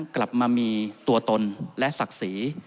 กลับมามีตัวตนและศักดิ์ศรี